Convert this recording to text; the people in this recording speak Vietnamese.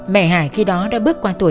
mẹ hải khi đó đã bước qua tuổi tám mươi